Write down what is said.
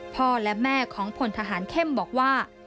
พ่อและแม่ของพลทหารเข้มบอกว่า